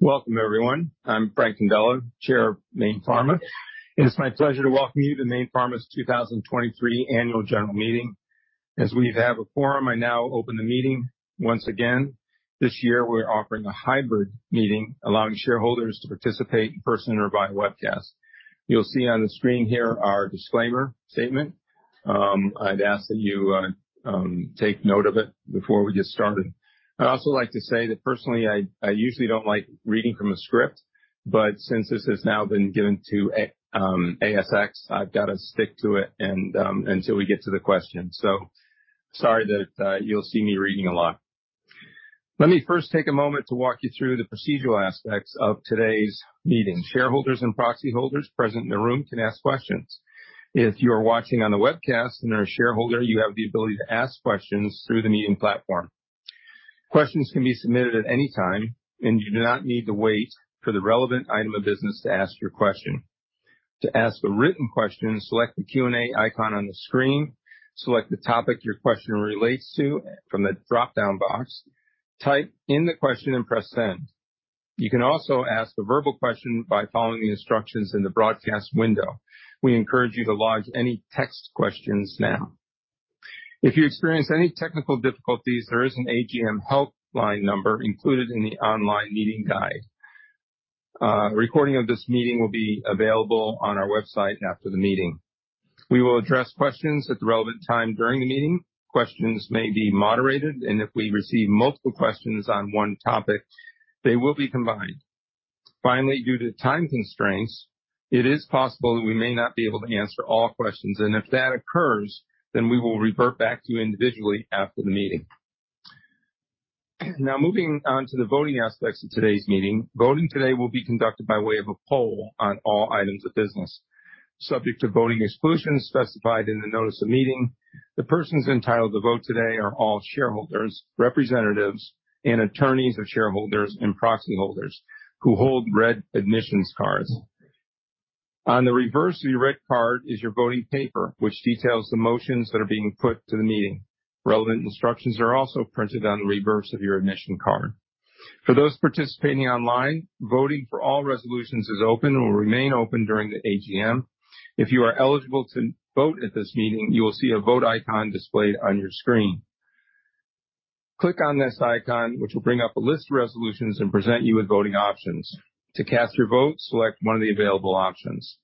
Welcome, everyone. I'm Frank Condella, Chair of Mayne Pharma. It is my pleasure to welcome you to Mayne Pharma's 2023 Annual General Meeting. As we have a quorum, I now open the meeting. Once again, this year, we're offering a hybrid meeting, allowing shareholders to participate in person or via webcast. You'll see on the screen here our disclaimer statement. I'd ask that you take note of it before we get started. I'd also like to say that personally, I usually don't like reading from a script, but since this has now been given to ASX, I've got to stick to it and until we get to the questions. So sorry that you'll see me reading a lot. Let me first take a moment to walk you through the procedural aspects of today's meeting. Shareholders and proxy holders present in the room can ask questions. If you are watching on the webcast and are a shareholder, you have the ability to ask questions through the meeting platform. Questions can be submitted at any time, and you do not need to wait for the relevant item of business to ask your question. To ask a written question, select the Q&A icon on the screen. Select the topic your question relates to from the dropdown box, type in the question and press Send. You can also ask a verbal question by following the instructions in the broadcast window. We encourage you to lodge any text questions now. If you experience any technical difficulties, there is an AGM helpline number included in the online meeting guide. A recording of this meeting will be available on our website after the meeting. We will address questions at the relevant time during the meeting. Questions may be moderated, and if we receive multiple questions on one topic, they will be combined. Finally, due to time constraints, it is possible that we may not be able to answer all questions, and if that occurs, then we will revert back to you individually after the meeting. Now, moving on to the voting aspects of today's meeting. Voting today will be conducted by way of a poll on all items of business. Subject to voting exclusions specified in the notice of meeting, the persons entitled to vote today are all shareholders, representatives, and attorneys of shareholders and proxy holders who hold red admissions cards. On the reverse of your red card is your voting paper, which details the motions that are being put to the meeting. Relevant instructions are also printed on the reverse of your admission card. For those participating online, voting for all resolutions is open and will remain open during the AGM. If you are eligible to vote at this meeting, you will see a vote icon displayed on your screen. Click on this icon, which will bring up a list of resolutions and present you with voting options. To cast your vote, select one of the available options.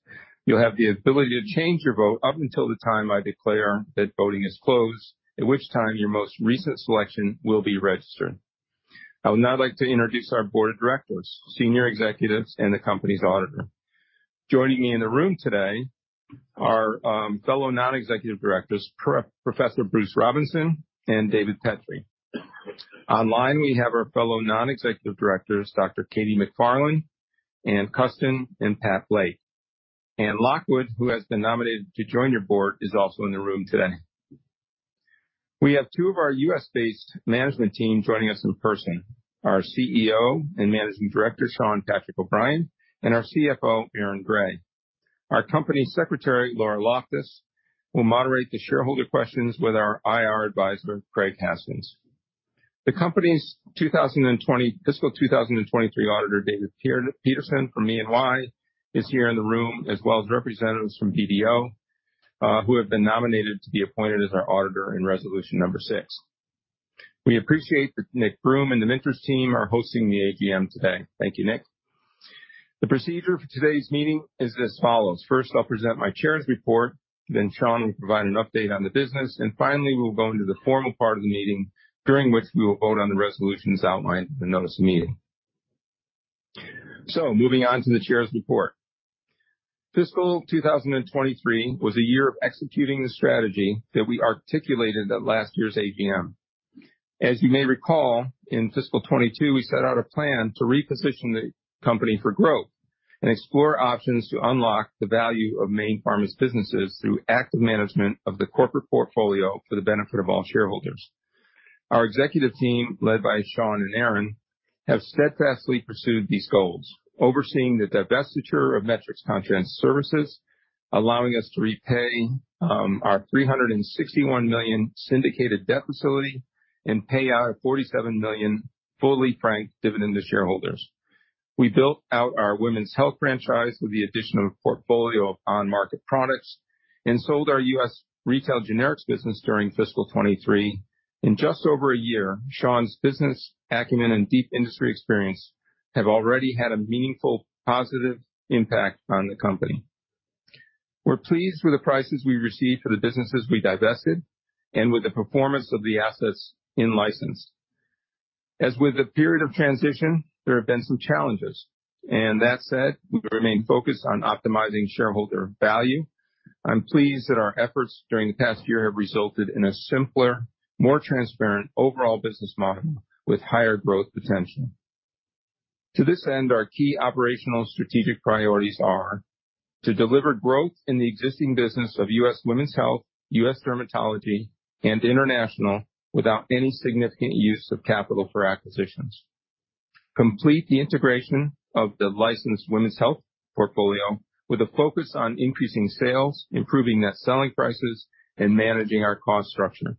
You'll have the ability to change your vote up until the time I declare that voting is closed, at which time your most recent selection will be registered. I would now like to introduce our board of directors, senior executives, and the company's auditor. Joining me in the room today are fellow non-executive directors, Professor Bruce Robinson and David Petrie. Online, we have our fellow non-executive directors, Dr. Katie MacFarlane, Ann Custin, and Patrick Blake. Anne Lockwood, who has been nominated to join your board, is also in the room today. We have two of our U.S.-based management team joining us in person, our CEO and Managing Director, Shawn Patrick O'Brien, and our CFO, Aaron Gray. Our Company Secretary, Laura Loftus, will moderate the shareholder questions with our IR advisor, Craig Haskins. The company's 2023 fiscal 2023 auditor, David Petersen from EY, is here in the room, as well as representatives from BDO, who have been nominated to be appointed as our auditor in resolution number six. We appreciate that Nick Broome and the Minters team are hosting the AGM today. Thank you, Nick. The procedure for today's meeting is as follows: First, I'll present my Chair's report, then Shawn will provide an update on the business, and finally, we will go into the formal part of the meeting, during which we will vote on the resolutions outlined in the notice of meeting. Moving on to the Chair's report. Fiscal 2023 was a year of executing the strategy that we articulated at last year's AGM. As you may recall, in fiscal 2022, we set out a plan to reposition the company for growth and explore options to unlock the value of Mayne Pharma's businesses through active management of the corporate portfolio for the benefit of all shareholders. Our executive team, led by Shawn and Aaron, have steadfastly pursued these goals, overseeing the divestiture of Metrics Contract Services, allowing us to repay our 361 million syndicated debt facility and pay out a 47 million fully franked dividend to shareholders. We built out our women's health franchise with the additional portfolio of on-market products and sold our U.S. retail generics business during fiscal 2023. In just over a year, Shawn's business acumen and deep industry experience have already had a meaningful positive impact on the company. We're pleased with the prices we received for the businesses we divested and with the performance of the assets in-license. As with the period of transition, there have been some challenges, and that said, we remain focused on optimizing shareholder value. I'm pleased that our efforts during the past year have resulted in a simpler, more transparent overall business model with higher growth potential. To this end, our key operational strategic priorities are: to deliver growth in the existing business of U.S. women's health, U.S. dermatology, and international without any significant use of capital for acquisitions. Complete the integration of the licensed women's health portfolio with a focus on increasing sales, improving net selling prices, and managing our cost structure....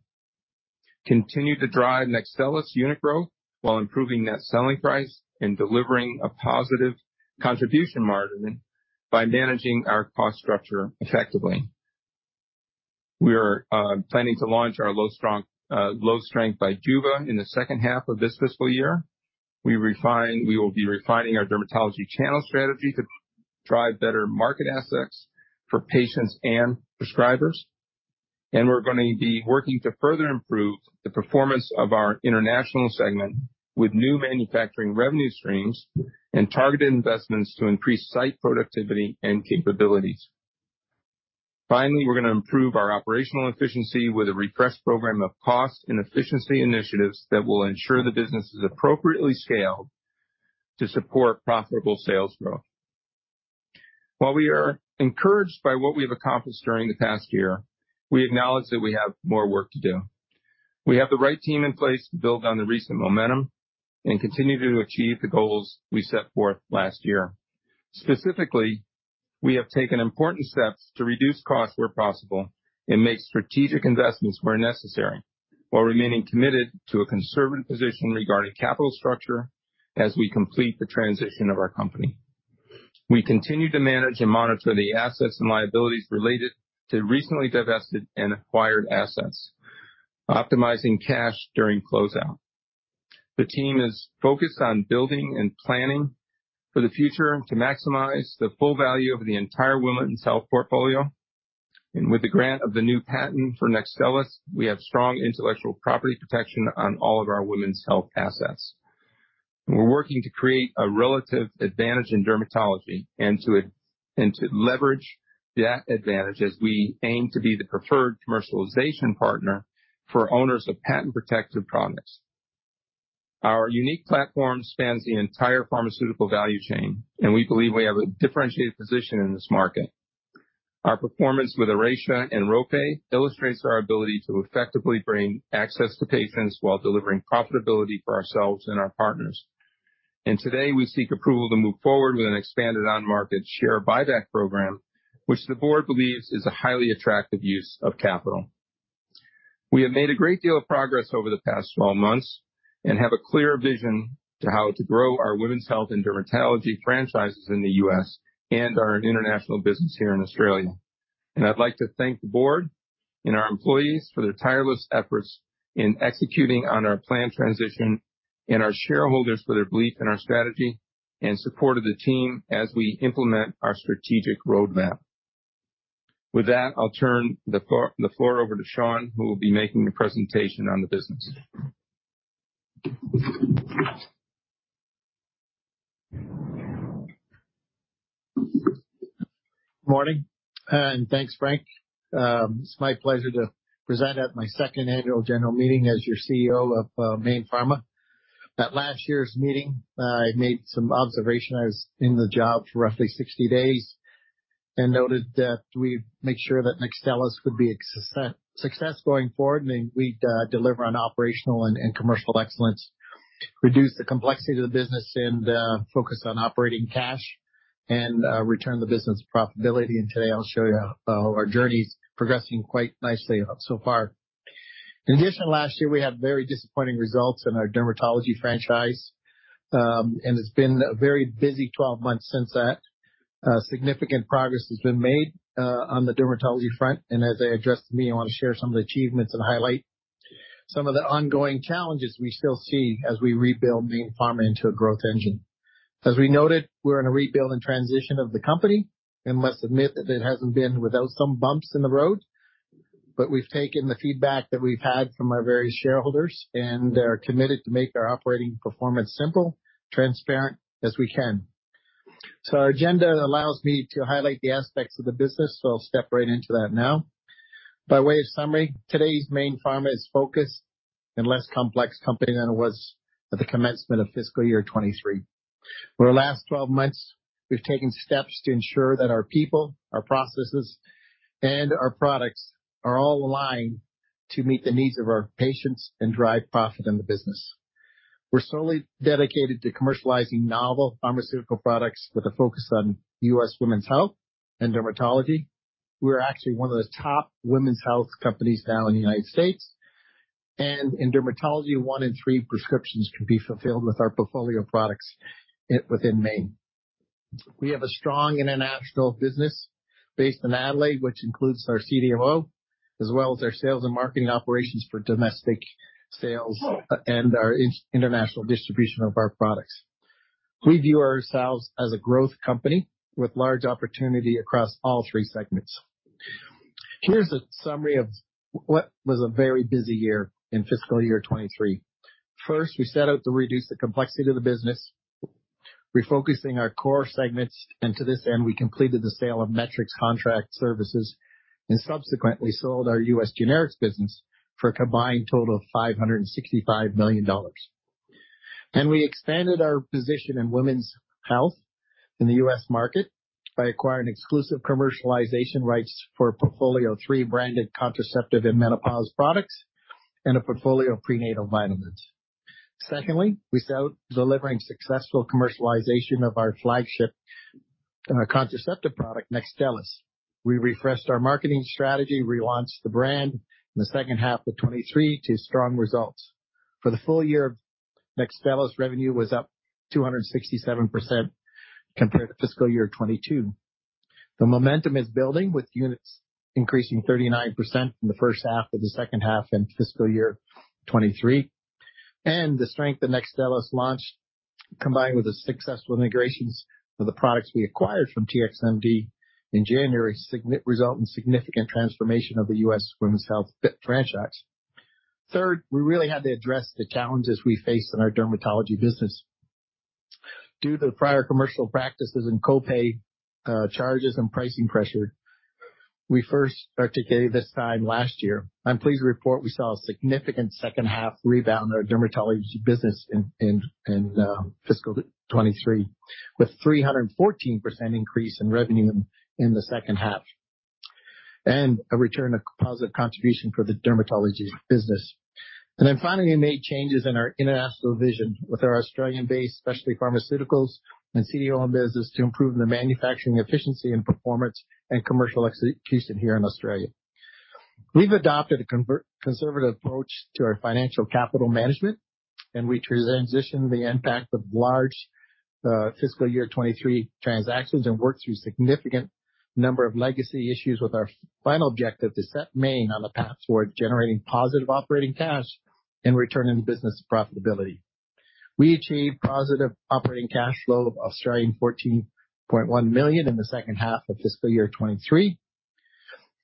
continue to drive NEXTSTELLIS unit growth while improving net selling price and delivering a positive contribution margin by managing our cost structure effectively. We are planning to launch our low strength BIJUVA in the second half of this fiscal year. We will be refining our dermatology channel strategy to drive better market access for patients and prescribers. And we're going to be working to further improve the performance of our international segment with new manufacturing revenue streams and targeted investments to increase site productivity and capabilities. Finally, we're going to improve our operational efficiency with a refreshed program of cost and efficiency initiatives that will ensure the business is appropriately scaled to support profitable sales growth. While we are encouraged by what we have accomplished during the past year, we acknowledge that we have more work to do. We have the right team in place to build on the recent momentum and continue to achieve the goals we set forth last year. Specifically, we have taken important steps to reduce costs where possible and make strategic investments where necessary, while remaining committed to a conservative position regarding capital structure as we complete the transition of our company. We continue to manage and monitor the assets and liabilities related to recently divested and acquired assets, optimizing cash during closeout. The team is focused on building and planning for the future to maximize the full value of the entire women's health portfolio. With the grant of the new patent for NEXTSTELLIS, we have strong intellectual property protection on all of our women's health assets. We're working to create a relative advantage in dermatology and to leverage that advantage as we aim to be the preferred commercialization partner for owners of patent-protected products. Our unique platform spans the entire pharmaceutical value chain, and we believe we have a differentiated position in this market. Our performance with Oracea and Rhofade illustrates our ability to effectively bring access to patients while delivering profitability for ourselves and our partners. Today, we seek approval to move forward with an expanded on-market share buyback program, which the board believes is a highly attractive use of capital. We have made a great deal of progress over the past 12 months and have a clear vision to how to grow our women's health and dermatology franchises in the U.S. and our international business here in Australia. I'd like to thank the board and our employees for their tireless efforts in executing on our planned transition, and our shareholders for their belief in our strategy and support of the team as we implement our strategic roadmap. With that, I'll turn the floor over to Shawn, who will be making a presentation on the business. Morning, and thanks, Frank. It's my pleasure to present at my second annual general meeting as your CEO of Mayne Pharma. At last year's meeting, I made some observations. I was in the job for roughly 60 days and noted that we make sure that NEXTSTELLIS could be a success going forward, and we'd deliver on operational and commercial excellence, reduce the complexity of the business and focus on operating cash and return the business profitability. And today I'll show you how our journey's progressing quite nicely so far. In addition, last year, we had very disappointing results in our dermatology franchise, and it's been a very busy 12 months since that. Significant progress has been made on the dermatology front, and as I addressed to me, I want to share some of the achievements and highlight some of the ongoing challenges we still see as we rebuild Mayne Pharma into a growth engine. As we noted, we're in a rebuild and transition of the company, and must admit that it hasn't been without some bumps in the road, but we've taken the feedback that we've had from our various shareholders, and are committed to make our operating performance simple, transparent as we can. So our agenda allows me to highlight the aspects of the business, so I'll step right into that now. By way of summary, today's Mayne Pharma is focused and less complex company than it was at the commencement of fiscal year 2023. For the last 12 months, we've taken steps to ensure that our people, our processes, and our products are all aligned to meet the needs of our patients and drive profit in the business. We're solely dedicated to commercializing novel pharmaceutical products with a focus on U.S. women's health and dermatology. We're actually one of the top women's health companies now in the United States, and in dermatology, 1 in 3 prescriptions can be fulfilled with our portfolio of products within Mayne. We have a strong international business based in Adelaide, which includes our CDMO, as well as our sales and marketing operations for domestic sales and our international distribution of our products. We view ourselves as a growth company with large opportunity across all three segments. Here's a summary of what was a very busy year in fiscal year 2023. First, we set out to reduce the complexity of the business, refocusing our core segments, and to this end, we completed the sale of Metrics Contract Services and subsequently sold our U.S. generics business for a combined total of $565 million. We expanded our position in women's health in the U.S. market by acquiring exclusive commercialization rights for a portfolio of three branded contraceptive and menopause products and a portfolio of prenatal vitamins. Secondly, we start delivering successful commercialization of our flagship contraceptive product, NEXTSTELLIS. We refreshed our marketing strategy, relaunched the brand in the second half of 2023 to strong results. For the full year, NEXTSTELLIS revenue was up 267% compared to fiscal year 2022. The momentum is building, with units increasing 39% in the first half of the second half in fiscal year 2023, and the strength of NEXTSTELLIS launch, combined with the successful integrations of the products we acquired from TXMD in January, result in significant transformation of the U.S. Women's Health franchise. Third, we really had to address the challenges we faced in our dermatology business. Due to prior commercial practices and copay charges and pricing pressure, we first started to get this time last year. I'm pleased to report we saw a significant second half rebound in our dermatology business in fiscal 2023, with 314% increase in revenue in the second half, and a return of positive contribution for the dermatology business. Then finally, we made changes in our international division with our Australian-based specialty pharmaceuticals and CDMO business to improve the manufacturing efficiency and performance and commercial execution here in Australia. We've adopted a conservative approach to our financial capital management, and we transitioned the impact of large, fiscal year 2023 transactions and worked through significant number of legacy issues, with our final objective to set Mayne on the path toward generating positive operating cash and returning the business to profitability. We achieved positive operating cash flow of 14.1 million in the second half of fiscal year 2023,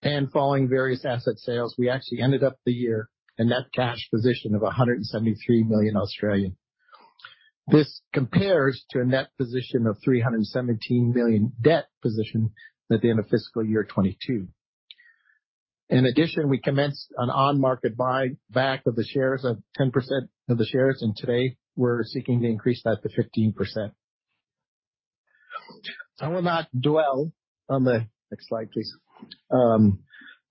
and following various asset sales, we actually ended up the year a net cash position of 173 million. This compares to a net position of 317 million debt position at the end of fiscal year 2022. In addition, we commenced an on-market buyback of the shares of 10% of the shares, and today we're seeking to increase that to 15%. I will not dwell on the. Next slide, please.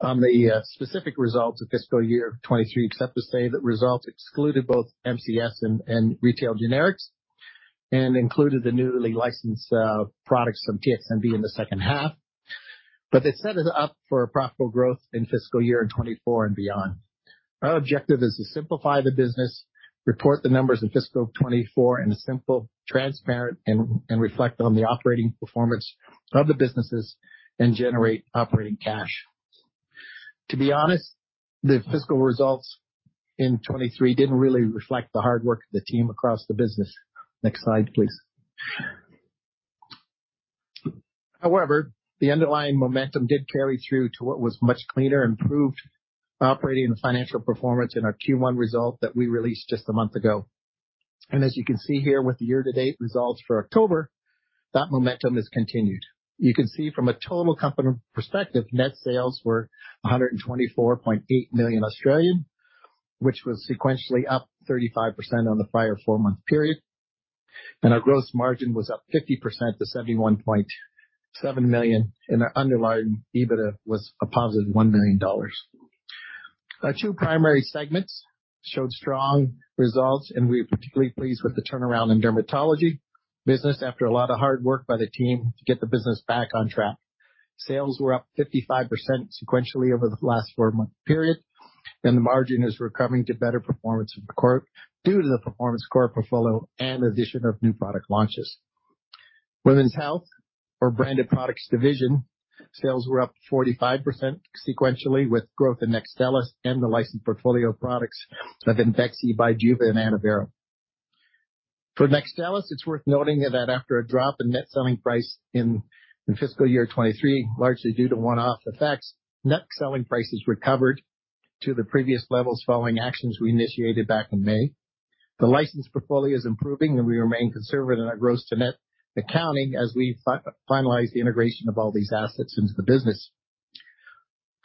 On the specific results of fiscal year 2023, except to say that results excluded both MCS and retail generics and included the newly licensed products from TXMD in the second half. But they set us up for a profitable growth in fiscal year 2024 and beyond. Our objective is to simplify the business, report the numbers in fiscal 2024 in a simple, transparent, and reflect on the operating performance of the businesses and generate operating cash. To be honest, the fiscal results in 2023 didn't really reflect the hard work of the team across the business. Next slide, please. However, the underlying momentum did carry through to what was much cleaner, improved operating and financial performance in our Q1 result that we released just a month ago. As you can see here, with the year-to-date results for October, that momentum has continued. You can see from a total company perspective, net sales were 124.8 million, which was sequentially up 35% on the prior four-month period, and our gross margin was up 50% to 71.7 million, and our underlying EBITDA was a positive 1 million dollars. Our two primary segments showed strong results, and we're particularly pleased with the turnaround in dermatology business after a lot of hard work by the team to get the business back on track. Sales were up 55% sequentially over the last four-month period, and the margin is recovering to better performance in the quarter due to the Performance Core portfolio and addition of new product launches. Women's Health, our branded products division, sales were up 45% sequentially, with growth in NEXTSTELLIS and the licensed portfolio of products of IMVEXXY, BIJUVA and ANNOVERA. For NEXTSTELLIS, it's worth noting that after a drop in net selling price in fiscal year 2023, largely due to one-off effects, net selling prices recovered to the previous levels following actions we initiated back in May. The licensed portfolio is improving, and we remain conservative in our gross to net accounting as we finalize the integration of all these assets into the business.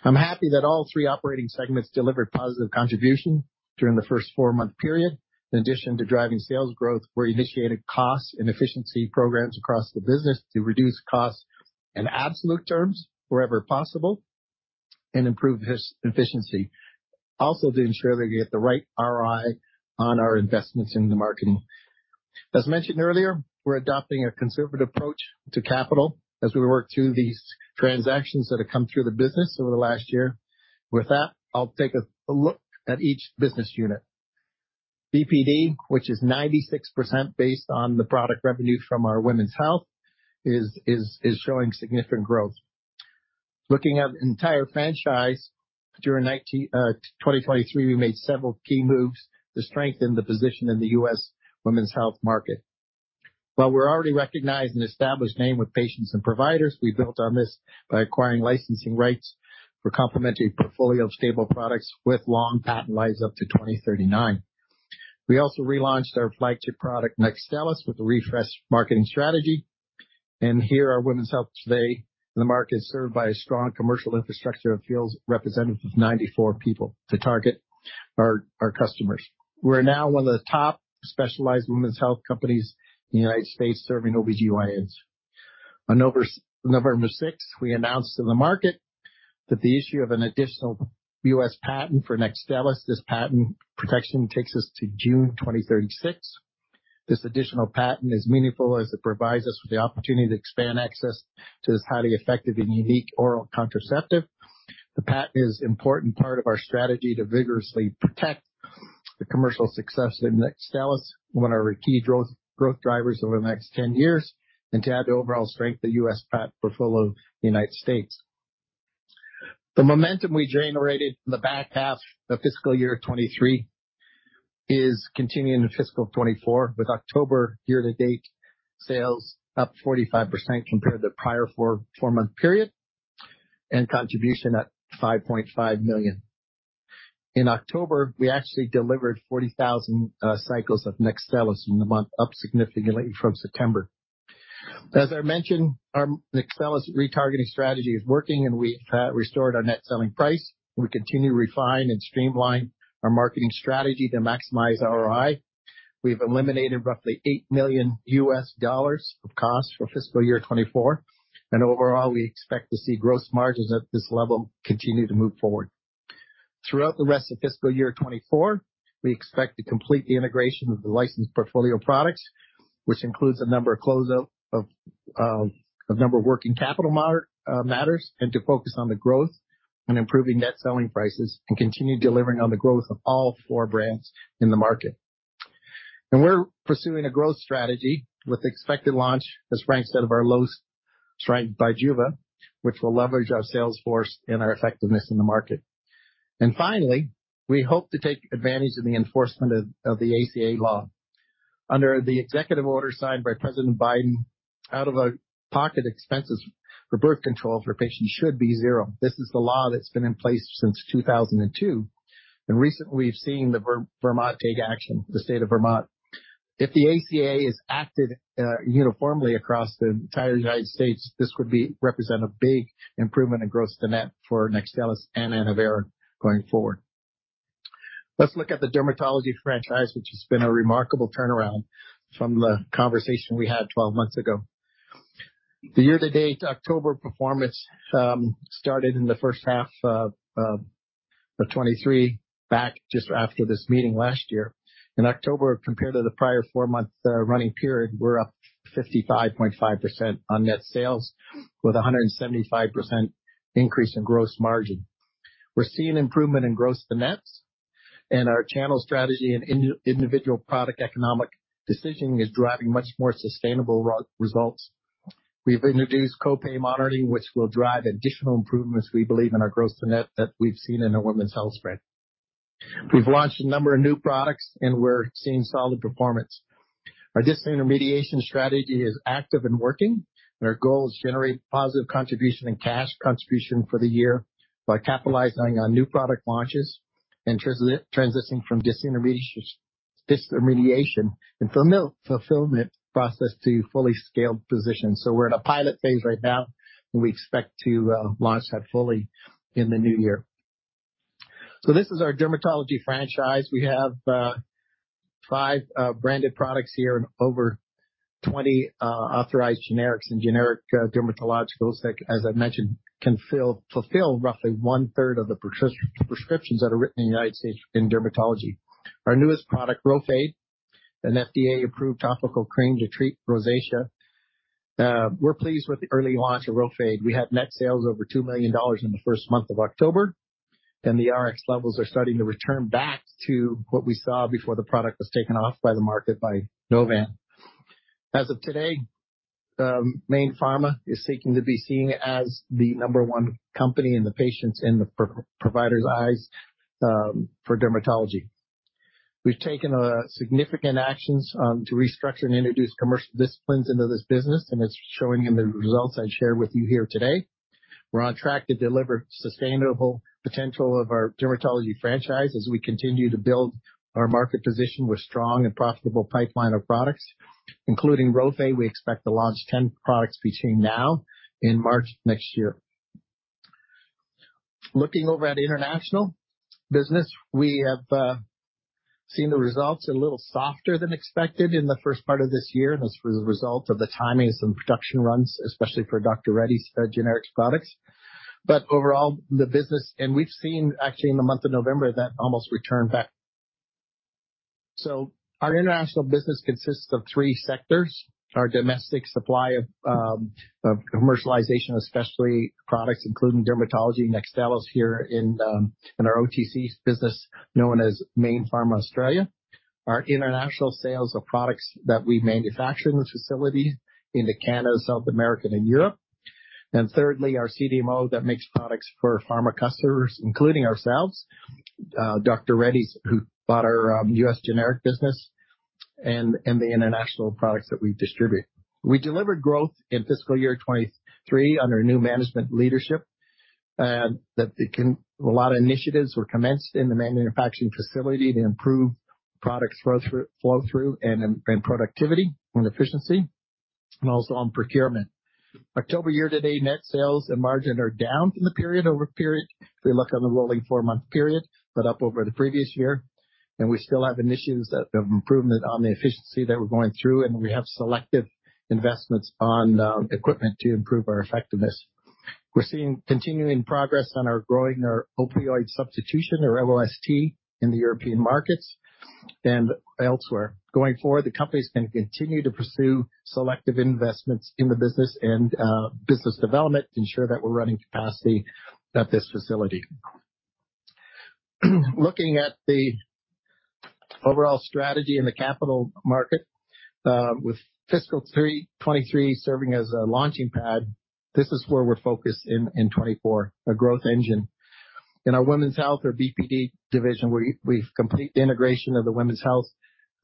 I'm happy that all three operating segments delivered positive contribution during the first four-month period. In addition to driving sales growth, we initiated costs and efficiency programs across the business to reduce costs in absolute terms wherever possible and improve its efficiency. Also, to ensure that we get the right ROI on our investments in the marketing. As mentioned earlier, we're adopting a conservative approach to capital as we work through these transactions that have come through the business over the last year. With that, I'll take a look at each business unit. BPD, which is 96% based on the product revenue from our women's health, is showing significant growth. Looking at the entire franchise, during 2023, we made several key moves to strengthen the position in the U.S. women's health market. While we're already recognized and established name with patients and providers, we built on this by acquiring licensing rights for complementary portfolio of stable products with long patent lives up to 2039. We also relaunched our flagship product, NEXTSTELLIS, with a refreshed marketing strategy, and here our women's health today. The market is served by a strong commercial infrastructure of field representatives of 94 people to target our, our customers. We're now one of the top specialized women's health companies in the United States, serving OBGYNs. On November, November six, we announced to the market that the issue of an additional U.S. patent for NEXTSTELLIS. This patent protection takes us to June 2036. This additional patent is meaningful as it provides us with the opportunity to expand access to this highly effective and unique oral contraceptive. The patent is important part of our strategy to vigorously protect the commercial success in NEXTSTELLIS, one of our key growth drivers over the next 10 years, and to add to overall strength, the U.S. patent portfolio in the United States. The momentum we generated in the back half of fiscal year 2023 is continuing in fiscal 2024, with October year-to-date sales up 45% compared to the prior four-month period, and contribution at $5.5 million. In October, we actually delivered 40,000 cycles of NEXTSTELLIS in the month, up significantly from September. As I mentioned, our NEXTSTELLIS retargeting strategy is working, and we have restored our net selling price. We continue to refine and streamline our marketing strategy to maximize ROI. We've eliminated roughly $8 million of costs for fiscal year 2024, and overall, we expect to see gross margins at this level continue to move forward. Throughout the rest of fiscal year 2024, we expect to complete the integration of the licensed portfolio of products, which includes a number of closeout of a number of working capital matters, and to focus on the growth and improving net selling prices and continue delivering on the growth of all four brands in the market. And we're pursuing a growth strategy with the expected launch, as Frank said, of our low strength BIJUVA, which will leverage our sales force and our effectiveness in the market. And finally, we hope to take advantage of the enforcement of the ACA law. Under the executive order signed by President Biden, out-of-pocket expenses for birth control for patients should be zero. This is the law that's been in place since 2002, and recently we've seen Vermont take action, the state of Vermont. If the ACA is acted uniformly across the entire United States, this would represent a big improvement in gross to net for NEXTSTELLIS and ANNOVERA going forward. Let's look at the dermatology franchise, which has been a remarkable turnaround from the conversation we had 12 months ago. The year-to-date October performance started in the first half of 2023, back just after this meeting last year. In October, compared to the prior four-month running period, we're up 55.5% on net sales, with a 175% increase in gross margin. We're seeing improvement in gross to nets, and our channel strategy and individual product economic decisioning is driving much more sustainable results. We've introduced co-pay monitoring, which will drive additional improvements, we believe, in our gross-to-net that we've seen in our women's health spread. We've launched a number of new products, and we're seeing solid performance. Our disintermediation strategy is active and working, and our goal is to generate positive contribution and cash contribution for the year by capitalizing on new product launches and transitioning from disintermediation and fulfillment process to fully scaled position. We're in a pilot phase right now, and we expect to launch that fully in the new year. This is our dermatology franchise. We have five branded products here and over 20 authorized generics and generic dermatologicals that, as I mentioned, can fulfill roughly one-third of the prescriptions that are written in the United States in dermatology. Our newest product, RHOFADE, an FDA-approved topical cream to treat rosacea. We're pleased with the early launch of RHOFADE. We had net sales over $2 million in the first month of October, and the RX levels are starting to return back to what we saw before the product was taken off the market by Novan. As of today, Mayne Pharma is seeking to be seen as the number one company in the patients and the providers' eyes, for dermatology. We've taken significant actions to restructure and introduce commercial disciplines into this business, and it's showing in the results I shared with you here today. We're on track to deliver sustainable potential of our dermatology franchise as we continue to build our market position with strong and profitable pipeline of products, including RHOFADE. We expect to launch 10 products between now and March next year. Looking over at international business, we have seen the results a little softer than expected in the first part of this year. That's as a result of the timing of some production runs, especially for Dr. Reddy's generics products. But overall, the business. And we've seen actually in the month of November, that almost returned back. So our international business consists of three sectors: our domestic supply of commercialization, especially products including dermatology, NEXTSTELLIS here in our OTC business, known as Mayne Pharma Australia. Our international sales of products that we manufacture in this facility in Canada, South America, and Europe. And thirdly, our CDMO that makes products for pharma customers, including ourselves, Dr. Reddy's, who bought our U.S. generic business and the international products that we distribute. We delivered growth in fiscal year 2023 under new management leadership. A lot of initiatives were commenced in the manufacturing facility to improve product flow through, and productivity and efficiency, and also on procurement. October year-to-date, net sales and margin are down from the period over period if we look on the rolling four-month period, but up over the previous year. And we still have initiatives that have improvement on the efficiency that we're going through, and we have selective investments on equipment to improve our effectiveness. We're seeing continuing progress on growing our opioid substitution, or OST, in the European markets and elsewhere. Going forward, the company is going to continue to pursue selective investments in the business and business development to ensure that we're running capacity at this facility. Looking at the overall strategy in the capital market, with fiscal 2023 serving as a launching pad, this is where we're focused in 2024, a growth engine. In our Women's Health or BPD division, we've completed the integration of the women's health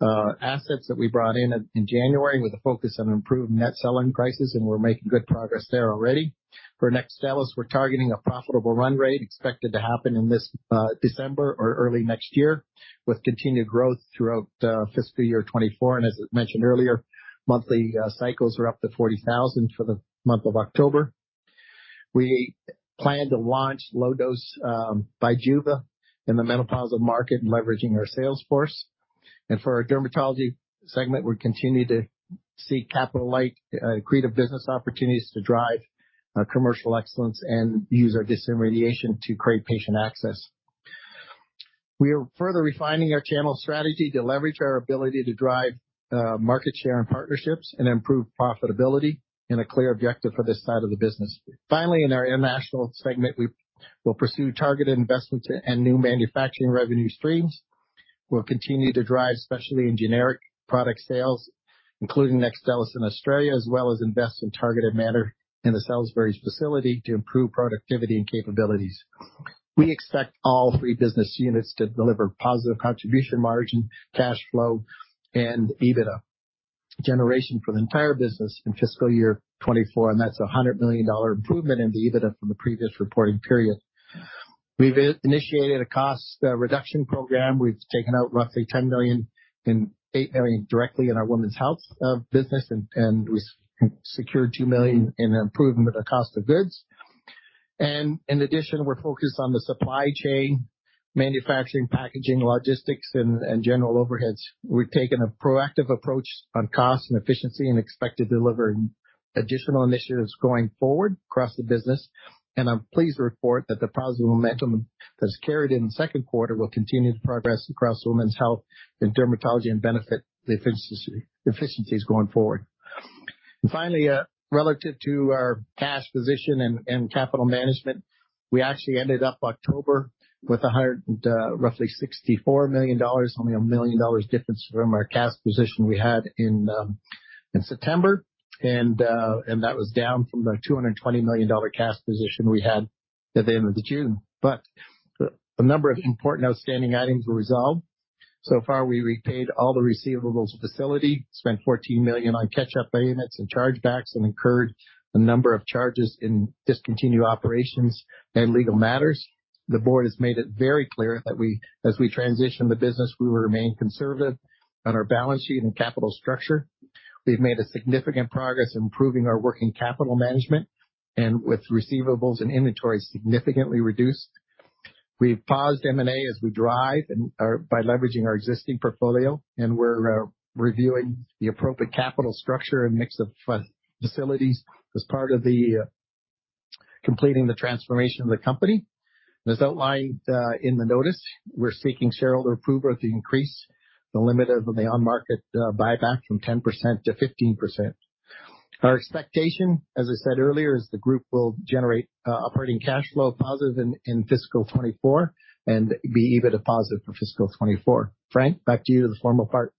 assets that we brought in in January with a focus on improving net selling prices, and we're making good progress there already. For NEXTSTELLIS, we're targeting a profitable run rate, expected to happen in this December or early next year, with continued growth throughout fiscal year 2024. As I mentioned earlier, monthly cycles are up to 40,000 for the month of October. We plan to launch low-dose BIJUVA in the menopausal market, leveraging our sales force. For our dermatology segment, we continue to see capital light, creative business opportunities to drive, commercial excellence and use our disintermediation to create patient access. We are further refining our channel strategy to leverage our ability to drive, market share and partnerships and improve profitability in a clear objective for this side of the business. Finally, in our international segment, we will pursue targeted investments and new manufacturing revenue streams. We'll continue to drive, especially in generic product sales, including NEXTSTELLIS in Australia, as well as invest in targeted matter in the Salisbury facility to improve productivity and capabilities. We expect all three business units to deliver positive contribution margin, cash flow, and EBITDA generation for the entire business in fiscal year 2024, and that's an 100 million dollar improvement in the EBITDA from the previous reporting period. We've initiated a cost, reduction program. We've taken out roughly $10 million and $8 million directly in our women's health, business, and, and we secured $2 million in improvement of cost of goods. And in addition, we're focused on the supply chain, manufacturing, packaging, logistics, and, and general overheads. We've taken a proactive approach on cost and efficiency and expect to deliver additional initiatives going forward across the business, and I'm pleased to report that the positive momentum that's carried in the second quarter will continue to progress across women's health and dermatology and benefit the efficiency, efficiencies going forward. Finally, relative to our cash position and, and capital management, we actually ended up October with a hundred, roughly $64 million, only a $1 million difference from our cash position we had in, in September. That was down from the 220 million dollar cash position we had at the end of June. A number of important outstanding items were resolved. So far, we repaid all the receivables facility, spent 14 million on catch-up units and chargebacks and incurred a number of charges in discontinued operations and legal matters. The board has made it very clear that we as we transition the business, we will remain conservative on our balance sheet and capital structure. We've made a significant progress improving our working capital management and with receivables and inventory significantly reduced. We've paused M&A as we drive and are by leveraging our existing portfolio, and we're reviewing the appropriate capital structure and mix of facilities as part of completing the transformation of the company. As outlined, in the notice, we're seeking shareholder approval to increase the limit of the on-market buyback from 10%-15%. Our expectation, as I said earlier, is the group will generate operating cash flow positive in fiscal 2024 and be EBITDA positive for fiscal 2024. Frank, back to you. The formal part.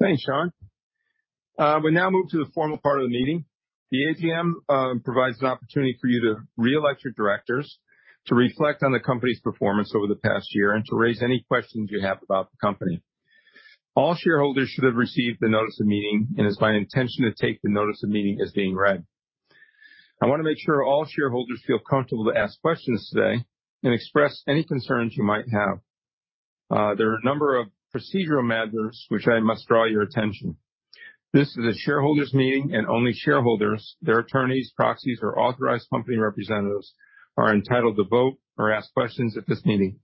Thanks, Shawn. We now move to the formal part of the meeting. The AGM provides an opportunity for you to re-elect your directors, to reflect on the company's performance over the past year, and to raise any questions you have about the company. All shareholders should have received the notice of meeting, and it's my intention to take the notice of meeting as being read. I want to make sure all shareholders feel comfortable to ask questions today and express any concerns you might have. There are a number of procedural matters which I must draw your attention. This is a shareholders meeting, and only shareholders, their attorneys, proxies, or authorized company representatives are entitled to vote or ask questions at this meeting.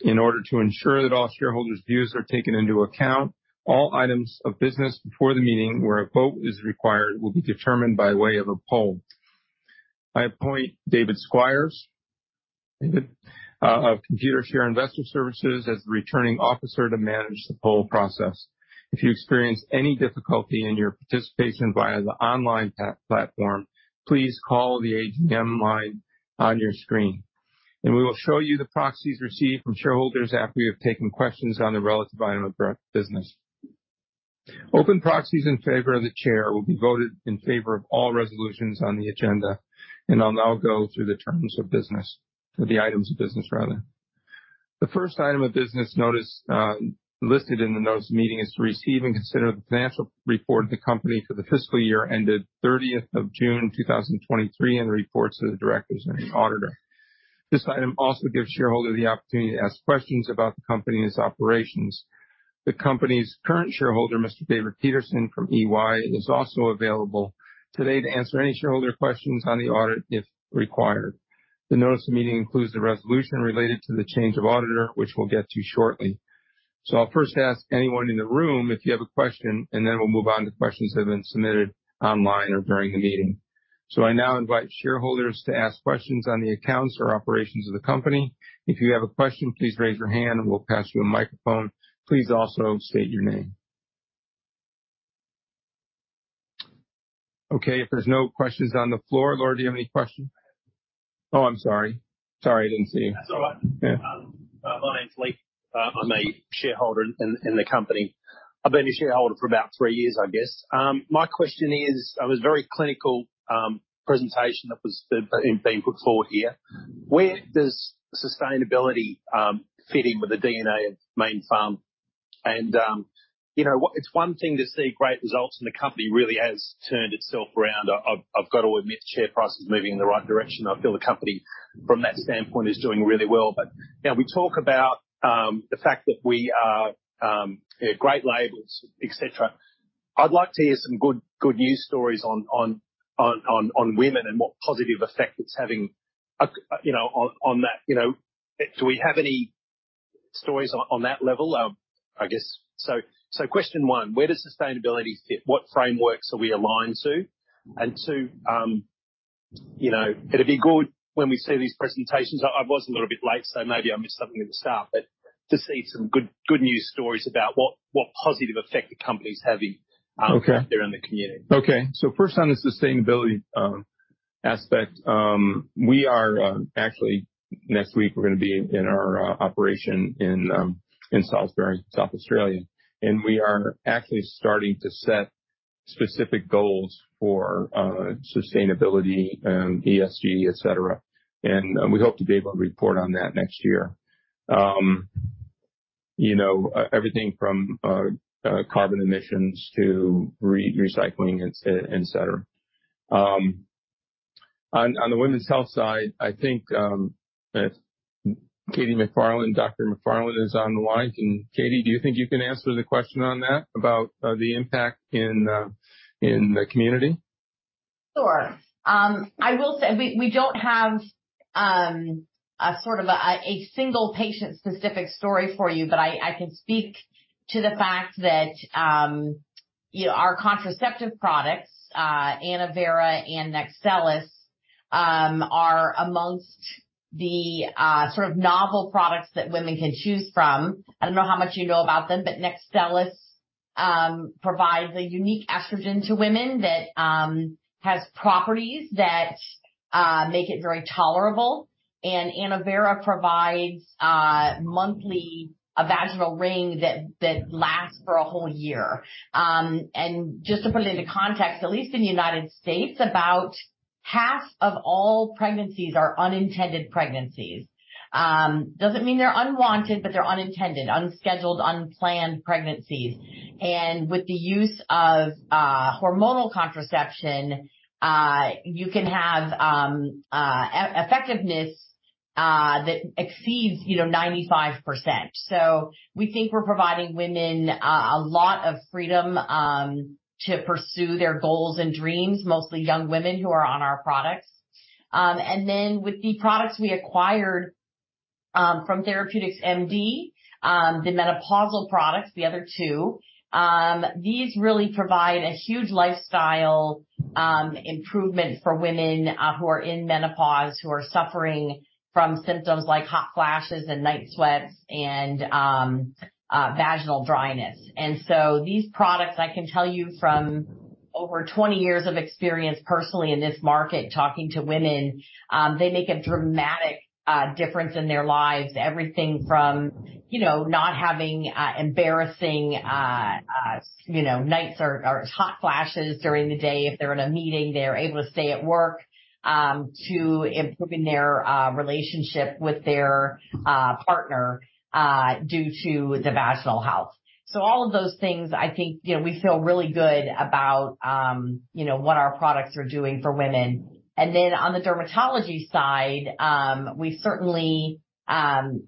In order to ensure that all shareholders' views are taken into account, all items of business before the meeting where a vote is required will be determined by way of a poll. I appoint David Squires. David, of Computershare Investor Services, as the Returning Officer to manage the poll process. If you experience any difficulty in your participation via the online platform, please call the AGM line on your screen, and we will show you the proxies received from shareholders after we have taken questions on the relevant item of business. Open proxies in favor of the Chair will be voted in favor of all resolutions on the agenda. I'll now go through the terms of business. Through the items of business, rather. The first item of business notice listed in the notice of meeting is to receive and consider the financial report of the company for the fiscal year ended 30th of June 2023, and the reports to the directors and the auditor. This item also gives shareholders the opportunity to ask questions about the company and its operations. The company's current auditor, Mr. David Petersen from EY, is also available today to answer any shareholder questions on the audit, if required. The notice of meeting includes the resolution related to the change of auditor, which we'll get to shortly. So I'll first ask anyone in the room if you have a question, and then we'll move on to questions that have been submitted online or during the meeting. So I now invite shareholders to ask questions on the accounts or operations of the company. If you have a question, please raise your hand and we'll pass you a microphone. Please also state your name. Okay, if there's no questions on the floor. Lord, do you have any questions? Oh, I'm sorry. Sorry, I didn't see you. That's all right. Yeah. My name's Lee. I'm a shareholder in the company. I've been a shareholder for about three years, I guess. My question is, it was very clinical presentation that was being put forward here. Where does sustainability fit in with the DNA of Mayne Pharma? And you know, it's one thing to see great results, and the company really has turned itself around. I've got to admit, share price is moving in the right direction. I feel the company, from that standpoint, is doing really well. But you know, we talk about the fact that we are great labels, et cetera. I'd like to hear some good news stories on women and what positive effect it's having, you know, on that. You know, do we have any stories on that level? I guess so. So question one, where does sustainability fit? What frameworks are we aligned to? And two, you know, it'd be good when we see these presentations. I was a little bit late, so maybe I missed something at the start. But to see some good news stories about what positive effect the company is having. Okay. out there in the community. Okay. So first on the sustainability aspect, we are actually next week we're gonna be in our operation in Salisbury, South Australia. We are actually starting to set specific goals for sustainability, ESG, et cetera. We hope to be able to report on that next year. You know, everything from carbon emissions to recycling, et cetera. On the women's health side, I think if Katie MacFarlane, Dr. MacFarlane is on the line. Katie, do you think you can answer the question on that, about the impact in the community? Sure. I will say we don't have a sort of a single patient-specific story for you, but I can speak to the fact that, you know, our contraceptive products, ANNOVERA and NEXTSTELLIS, are amongst the sort of novel products that women can choose from. I don't know how much you know about them, but NEXTSTELLIS provides a unique estrogen to women that has properties that make it very tolerable. And ANNOVERA provides monthly a vaginal ring that lasts for a whole year. And just to put it into context, at least in the United States, about half of all pregnancies are unintended pregnancies. Doesn't mean they're unwanted, but they're unintended, unscheduled, unplanned pregnancies. With the use of hormonal contraception, you can have effectiveness that exceeds, you know, 95%. So we think we're providing women a lot of freedom to pursue their goals and dreams, mostly young women who are on our products. And then with the products we acquired from TherapeuticsMD, the menopausal products, the other two, these really provide a huge lifestyle improvement for women who are in menopause, who are suffering from symptoms like hot flashes and night sweats and vaginal dryness. And so these products, I can tell you from over 20 years of experience personally in this market, talking to women, they make a dramatic difference in their lives. Everything from, you know, not having embarrassing, you know, nights or hot flashes during the day. If they're in a meeting, they're able to stay at work to improving their relationship with their partner due to the vaginal health. So all of those things, I think, you know, we feel really good about, you know, what our products are doing for women. And then on the dermatology side, we certainly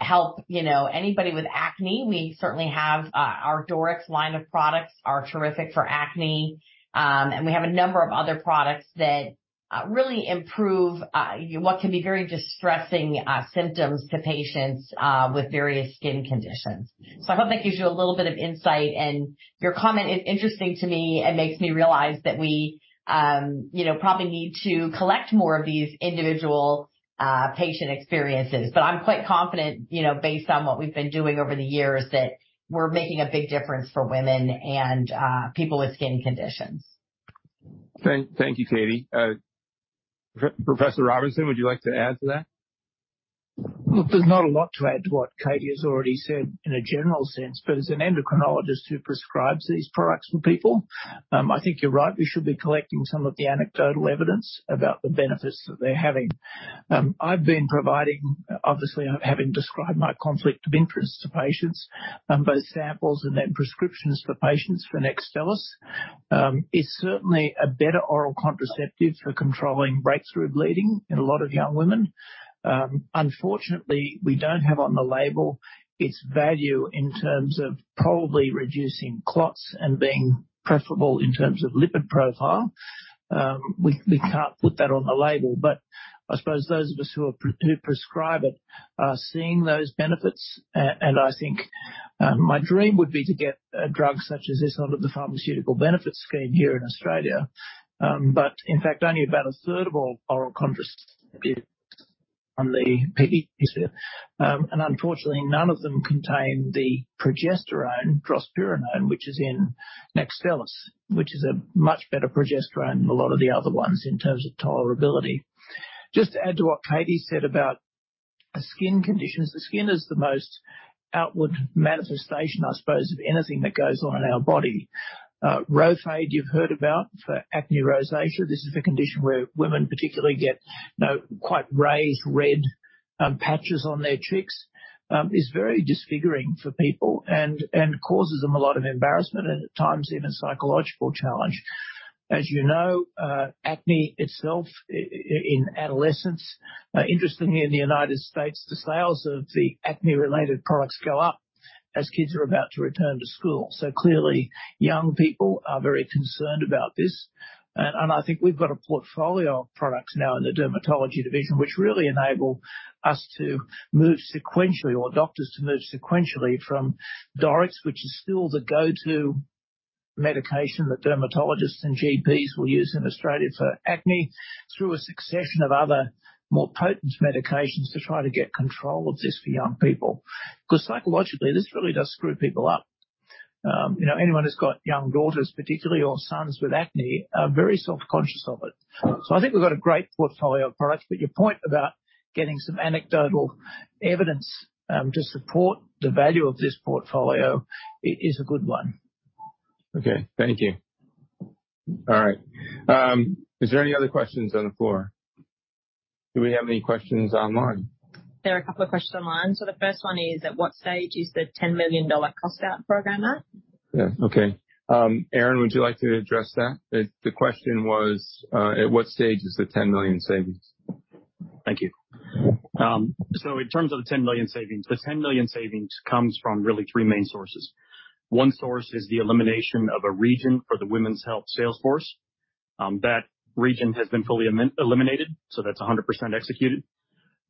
help, you know, anybody with acne. We certainly have our DORYX line of products are terrific for acne. And we have a number of other products that really improve what can be very distressing symptoms to patients with various skin conditions. So I hope that gives you a little bit of insight, and your comment is interesting to me and makes me realize that we, you know, probably need to collect more of these individual patient experiences. But I'm quite confident, you know, based on what we've been doing over the years, that we're making a big difference for women and people with skin conditions. Thank you, Katie. Professor Robinson, would you like to add to that? Look, there's not a lot to add to what Katie has already said in a general sense, but as an endocrinologist who prescribes these products for people, I think you're right. We should be collecting some of the anecdotal evidence about the benefits that they're having. I've been providing, obviously, having described my conflict of interest to patients, both samples and then prescriptions for patients for NEXTSTELLIS. It's certainly a better oral contraceptive for controlling breakthrough bleeding in a lot of young women. Unfortunately, we don't have on the label its value in terms of probably reducing clots and being preferable in terms of lipid profile. We, we can't put that on the label, but I suppose those of us who are, who prescribe it are seeing those benefits. I think, my dream would be to get a drug such as this under the Pharmaceutical Benefits Scheme here in Australia. But in fact, only about a third of all oral contraceptives on the PBS, and unfortunately, none of them contain the progesterone drospirenone, which is in NEXTSTELLIS, which is a much better progesterone than a lot of the other ones in terms of tolerability. Just to add to what Katie said about skin conditions, the skin is the most outward manifestation, I suppose, of anything that goes on in our body. Roaccutane, you've heard about for acne rosacea. This is a condition where women particularly get, you know, quite raised red patches on their cheeks. It's very disfiguring for people and causes them a lot of embarrassment and at times, even psychological challenge. As you know, acne itself in adolescence, interestingly, in the United States, the sales of the acne-related products go up as kids are about to return to school. So clearly, young people are very concerned about this. And I think we've got a portfolio of products now in the dermatology division, which really enable us to move sequentially, or doctors to move sequentially from DORYX, which is still the go-to medication that dermatologists and GPs will use in Australia for acne, through a succession of other more potent medications to try to get control of this for young people. Because psychologically, this really does screw people up. You know, anyone who's got young daughters, particularly, or sons with acne are very self-conscious of it. So I think we've got a great portfolio of products, but your point about getting some anecdotal evidence to support the value of this portfolio, it is a good one. Okay. Thank you. All right, is there any other questions on the floor? Do we have any questions online? There are a couple of questions online. The first one is: At what stage is the 10 million dollar cost out program at? Yeah. Okay. Aaron, would you like to address that? The question was, at what stage is the 10 million savings? Thank you. So in terms of the 10 million savings, the 10 million savings comes from really three main sources. One source is the elimination of a region for the women's health sales force. That region has been fully eliminated, so that's 100% executed.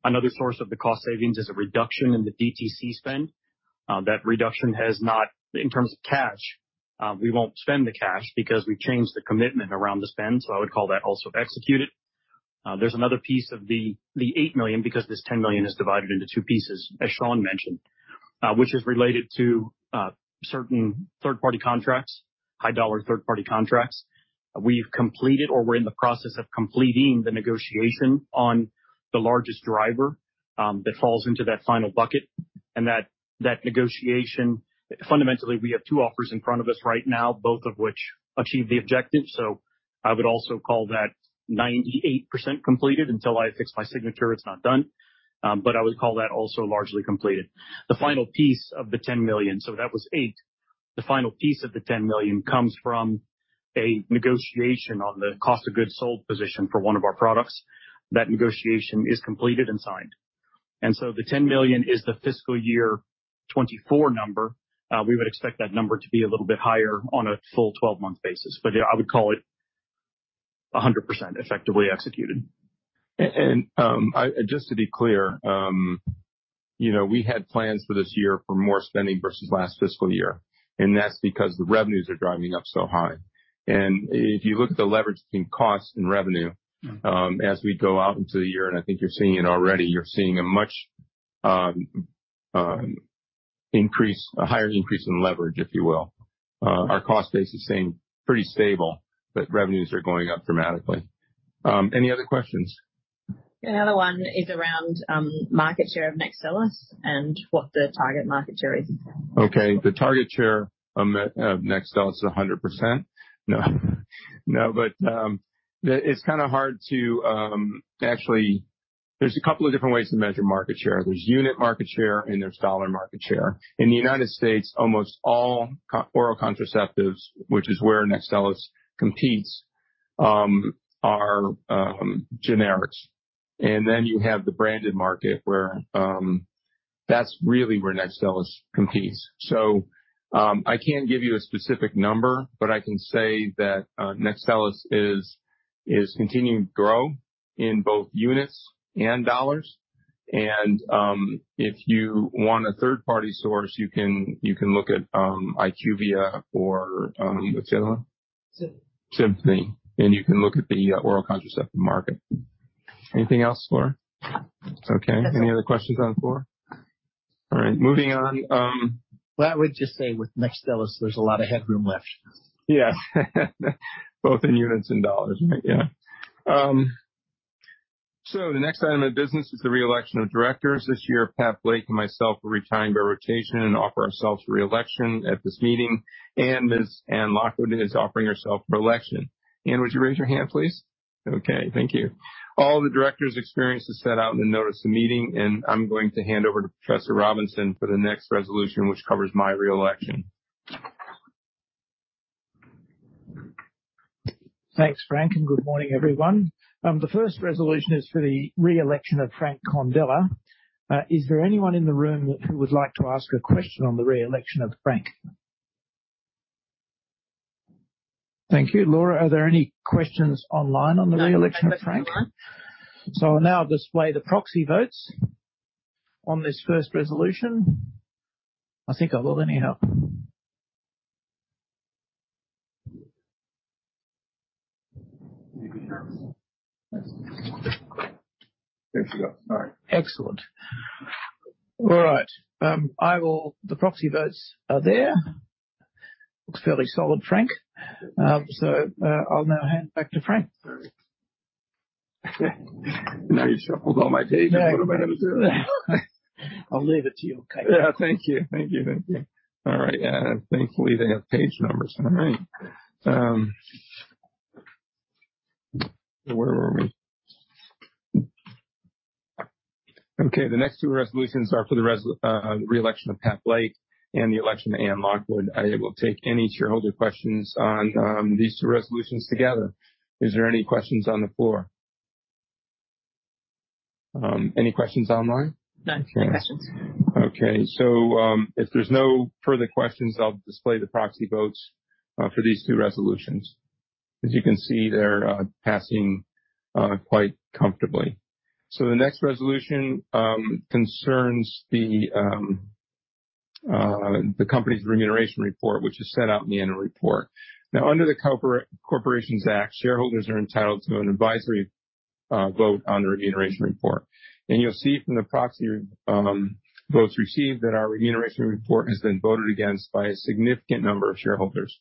Another source of the cost savings is a reduction in the DTC spend. That reduction has not... In terms of cash, we won't spend the cash because we've changed the commitment around the spend, so I would call that also executed. There's another piece of the 8 million, because this 10 million is divided into two pieces, as Shawn mentioned, which is related to certain third-party contracts, high dollar third party contracts. We've completed, or we're in the process of completing the negotiation on the largest driver, that falls into that final bucket, and that, that negotiation, fundamentally, we have two offers in front of us right now, both of which achieve the objective. So I would also call that 98% completed. Until I fix my signature, it's not done, but I would call that also largely completed. The final piece of the 10 million, so that was 8. The final piece of the 10 million comes from a negotiation on the cost of goods sold position for one of our products. That negotiation is completed and signed. And so the 10 million is the fiscal year 2024 number. We would expect that number to be a little bit higher on a full 12-month basis, but yeah, I would call it 100% effectively executed. Just to be clear, you know, we had plans for this year for more spending versus last fiscal year, and that's because the revenues are driving up so high. And if you look at the leverage between cost and revenue, as we go out into the year, and I think you're seeing it already, you're seeing a much, increase, a higher increase in leverage, if you will. Our cost base is staying pretty stable, but revenues are going up dramatically. Any other questions? Another one is around market share of NEXTSTELLIS and what the target market share is. Okay, the target share of NEXTSTELLIS is 100%. No. No, but the... It's kind of hard to actually... There's a couple of different ways to measure market share. There's unit market share, and there's dollar market share. In the United States, almost all oral contraceptives, which is where NEXTSTELLIS competes, are generics. And then, you have the branded market where that's really where NEXTSTELLIS competes. So, I can't give you a specific number, but I can say that NEXTSTELLIS is continuing to grow in both units and dollars. And if you want a third-party source, you can look at IQVIA or what's the other one? Symphony. Symphony, and you can look at the oral contraceptive market. Anything else, Laura? Okay. Any other questions on the floor? All right, moving on, Well, I would just say with NEXTSTELLIS, there's a lot of headroom left. Yeah. Both in units and dollars, right? Yeah. So the next item of business is the re-election of directors. This year, Pat Blake and myself are retiring by rotation and offer ourselves re-election at this meeting, and Ms. Anne Lockwood is offering herself for election. Anne, would you raise your hand, please? Okay, thank you. All the directors' experience is set out in the notice of the meeting, and I'm going to hand over to Professor Robinson for the next resolution, which covers my re-election. Thanks, Frank, and good morning, everyone. The first resolution is for the re-election of Frank Condella. Is there anyone in the room who would like to ask a question on the re-election of Frank? ... Thank you. Laura, are there any questions online on the re-election of Frank? So I'll now display the proxy votes on this first resolution. I think I will, let me help. There you go. All right. Excellent. All right, I will... The proxy votes are there. Looks fairly solid, Frank. So, I'll now hand it back to Frank. Now, you shuffled all my pages. What am I gonna do? I'll leave it to you, okay. Yeah. Thank you. Thank you. Thank you. All right, thankfully, they have page numbers. All right. Where were we? Okay, the next two resolutions are for the re-election of Pat Blake and the election of Anne Lockwood. I will take any shareholder questions on these two resolutions together. Is there any questions on the floor? Any questions online? None. No questions. Okay, so, if there's no further questions, I'll display the proxy votes for these two resolutions. As you can see, they're passing quite comfortably. So the next resolution concerns the company's remuneration report, which is set out in the annual report. Now, under the Corporations Act, shareholders are entitled to an advisory vote on the remuneration report. And you'll see from the proxy votes received that our remuneration report has been voted against by a significant number of shareholders.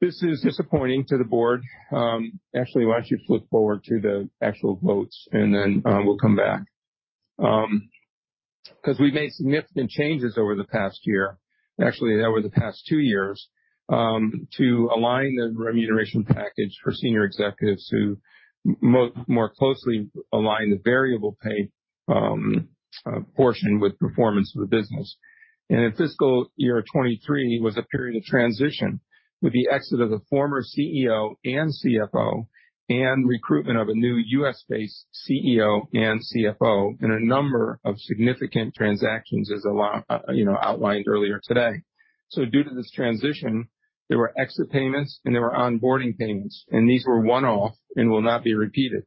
This is disappointing to the board. Actually, why don't you flip forward to the actual votes, and then we'll come back. 'Cause we've made significant changes over the past year. Actually, over the past two years, to align the remuneration package for senior executives who more closely align the variable pay portion with performance of the business. And in fiscal year 2023 was a period of transition, with the exit of the former CEO and CFO, and recruitment of a new U.S.-based CEO and CFO, and a number of significant transactions, as you know, outlined earlier today. So due to this transition, there were exit payments, and there were onboarding payments, and these were one-off and will not be repeated.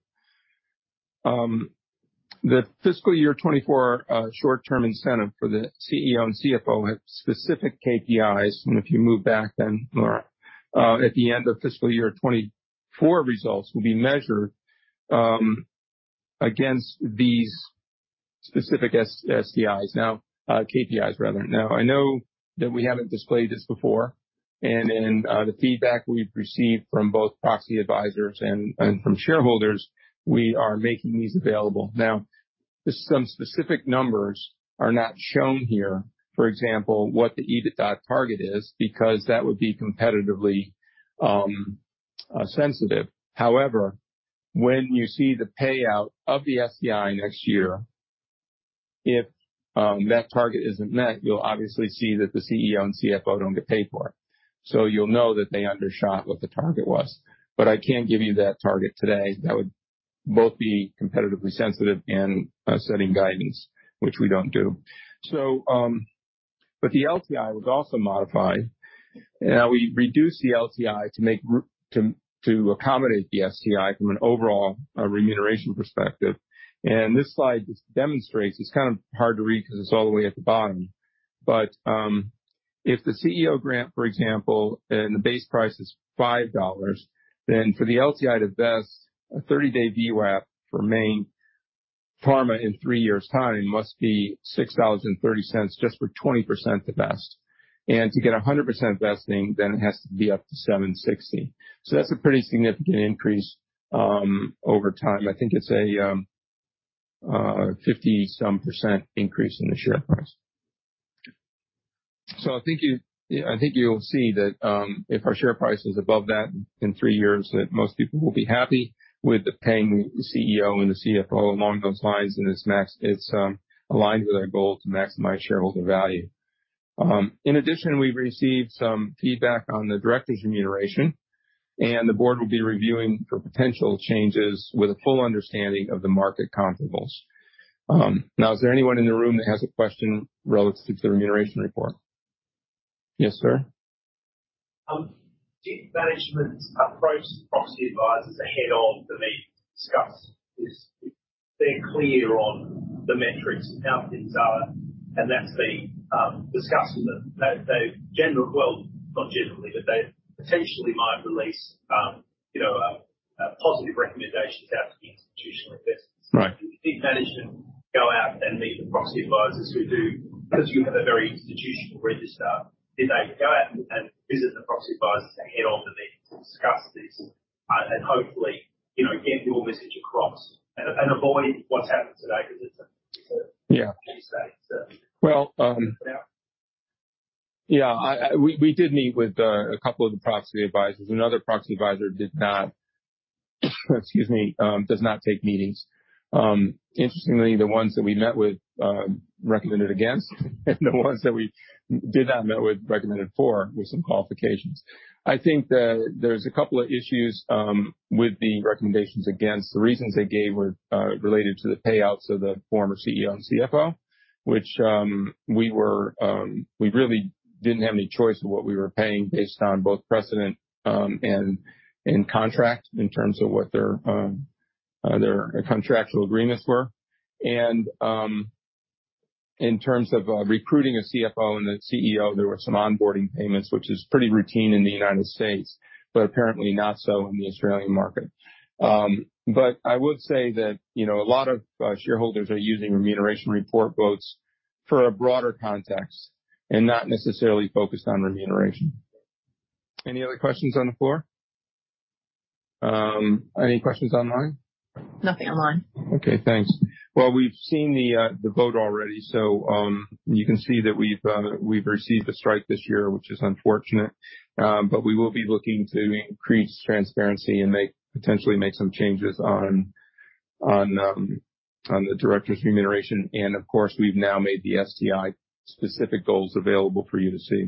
The fiscal year 2024 short-term incentive for the CEO and CFO have specific KPIs. And if you move back then, Laura, at the end of fiscal year 2024 results will be measured against these specific STIs. Now, KPIs rather. Now, I know that we haven't displayed this before, and in the feedback we've received from both proxy advisors and from shareholders, we are making these available. Now, some specific numbers are not shown here. For example, what the EBITDA target is, because that would be competitively sensitive. However, when you see the payout of the STI next year, if that target isn't met, you'll obviously see that the CEO and CFO don't get paid for it. So you'll know that they undershot what the target was. But I can't give you that target today. That would both be competitively sensitive and setting guidance, which we don't do. So, but the LTI was also modified. Now, we reduced the LTI to accommodate the STI from an overall remuneration perspective. This slide just demonstrates, it's kind of hard to read because it's all the way at the bottom. But, if the CEO grant, for example, and the base price is 5 dollars, then for the LTI to vest, a 30-day VWAP for Mayne Pharma in three years' time must be 6.30 just for 20% to vest. And to get a 100% vesting, then it has to be up to 7.60. So that's a pretty significant increase, over time. I think it's a 50-some% increase in the share price. So I think you, I think you'll see that if our share price is above that in three years, that most people will be happy with paying the CEO and the CFO along those lines, and it's aligned with our goal to maximize shareholder value. In addition, we received some feedback on the directors' remuneration, and the board will be reviewing for potential changes with a full understanding of the market comparables. Now, is there anyone in the room that has a question relative to the remuneration report? Yes, sir. Did management approach proxy advisors ahead of the meeting to discuss this? They're clear on the metrics and how things are, and that's being discussed with them. They, they've generally, well, not generally, but they potentially might release, you know, a positive recommendation out to the institutional investors. Right. Did management go out and meet the proxy advisors who do...? 'Cause you have a very institutional register. Did they go out and visit the proxy advisors ahead of the meeting to discuss this and hopefully, you know, get your message across and avoid what's happened today? Because it's a, it's a- Yeah. Fair say, so. Well, um- Yeah. Yeah, we did meet with a couple of the proxy advisors. Another proxy advisor did not, excuse me, does not take meetings. Interestingly, the ones that we met with recommended against, and the ones that we did not meet with recommended for, with some qualifications. I think that there's a couple of issues with the recommendations against. The reasons they gave were related to the payouts of the former CEO and CFO, which we really didn't have any choice of what we were paying based on both precedent and contract in terms of what their contractual agreements were. And in terms of recruiting a CFO and the CEO, there were some onboarding payments, which is pretty routine in the United States, but apparently not so in the Australian market. But I would say that, you know, a lot of shareholders are using remuneration report votes for a broader context and not necessarily focused on remuneration. Any other questions on the floor? Any questions online? Nothing online. Okay, thanks. Well, we've seen the vote already, so you can see that we've received a strike this year, which is unfortunate. But we will be looking to increase transparency and potentially make some changes on the directors' remuneration. And of course, we've now made the STI specific goals available for you to see.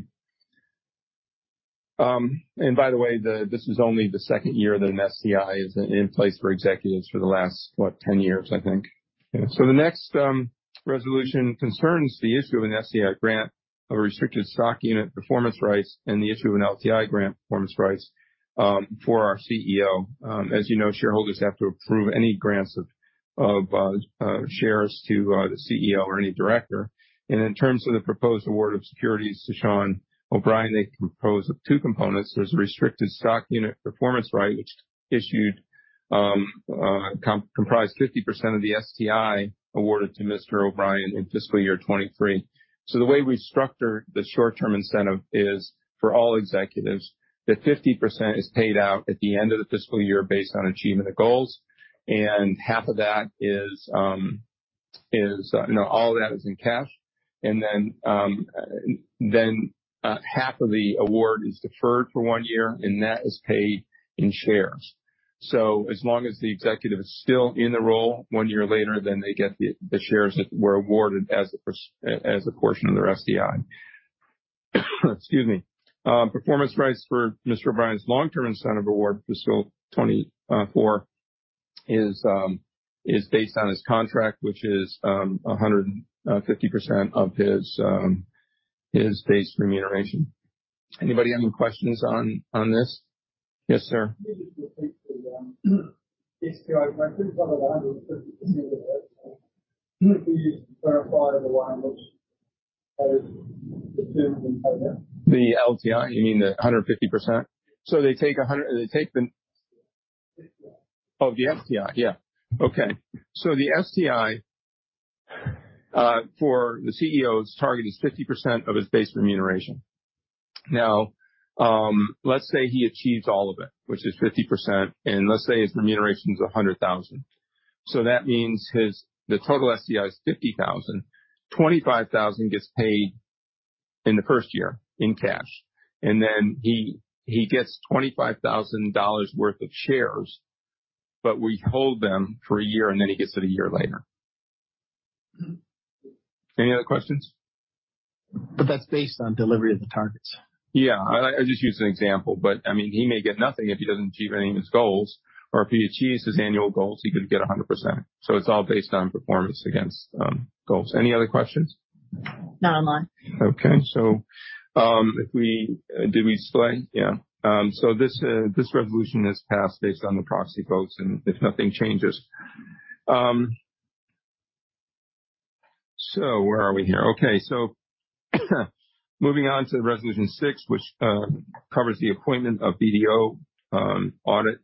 And by the way, this is only the second year that an STI is in place for executives for the last 10 years, I think. So the next resolution concerns the issue of an STI grant, a restricted stock unit performance rights, and the issue of an LTI grant performance rights for our CEO. As you know, shareholders have to approve any grants of shares to the CEO or any director. In terms of the proposed award of securities to Shawn O'Brien, they propose of two components. There's a restricted stock unit performance right, which comprise 50% of the STI awarded to Mr. O'Brien in fiscal year 2023. So the way we structure the short-term incentive is for all executives, that 50% is paid out at the end of the fiscal year based on achievement of goals, and half of that is... No, all of that is in cash. And then half of the award is deferred for one year, and that is paid in shares. So as long as the executive is still in the role one year later, then they get the shares that were awarded as a portion of their STI. Excuse me. Performance rights for Mr. O'Brien's long-term incentive award, fiscal 2024, is based on his contract, which is 150% of his base remuneration. Anybody have any questions on this? Yes, sir. Just to repeat the STI, could you tell us again, could you just verify the one which has the two- The LTI? You mean the 150%? So they take a 100... They take the- STI. Oh, the STI. Yeah. Okay. So the STI for the CEO's target is 50% of his base remuneration. Now, let's say he achieves all of it, which is 50%, and let's say his remuneration is $100,000. So that means his, the total STI is $50,000, $25,000 gets paid in the first year in cash, and then he, he gets $25,000 worth of shares, but we hold them for a year, and then he gets it a year later. Any other questions? But that's based on delivery of the targets. Yeah. I just used an example, but, I mean, he may get nothing if he doesn't achieve any of his goals, or if he achieves his annual goals, he could get 100%. So it's all based on performance against goals. Any other questions? Not online. Okay. So, if we... Did we display? Yeah. So this resolution is passed based on the proxy votes, and if nothing changes. So where are we here? Okay, so moving on to resolution six, which covers the appointment of BDO Audit